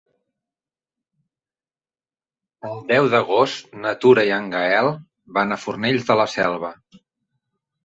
El deu d'agost na Tura i en Gaël van a Fornells de la Selva.